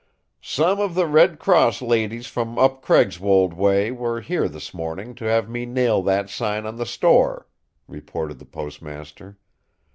"Some of the Red Cross ladies from up Craigswold way were here this morning, to have me nail that sign on the store," reported the postmaster.